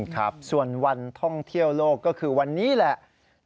ครับส่วนวันท่องเที่ยวโลกก็คือวันนี้แหละ